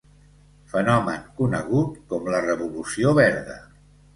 Fenomen conegut com la Revolució verda.